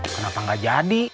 kenapa gak jadi